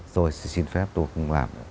rồi xin phép tôi không làm